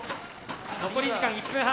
残り時間１分半。